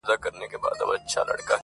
رومي د کرنې یو مېوه ده.